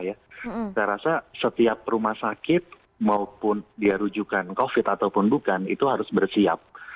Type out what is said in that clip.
saya rasa setiap rumah sakit maupun dia rujukan covid ataupun bukan itu harus bersiap